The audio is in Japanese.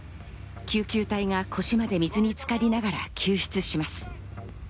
救急隊が腰まで水につかりながら救出します。